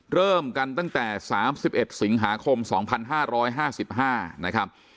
เริ่มกันตั้งแต่๓๑สิงหาคม๒๕๕๕นะครับ